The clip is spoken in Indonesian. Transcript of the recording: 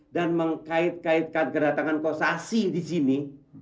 dan mengkait kaitkan geratangan kosasi disini